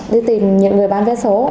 đi tìm những người bán vé số